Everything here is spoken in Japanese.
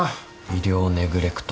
医療ネグレクト。